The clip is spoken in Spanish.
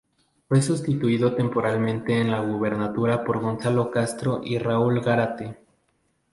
Fue sustituido temporalmente en la gubernatura por Gonzalo Castro y Raúl Gárate.